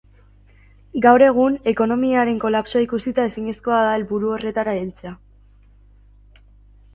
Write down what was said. Gaur egun, ekonomiaren kolapsoa ikusita ezinezkoa da helburu horretara heltzea.